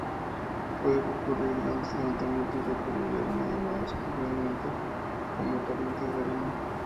Pueden ocurrir grandes levantamientos de polvo y arena, llamados coloquialmente como "Tormentas de arena".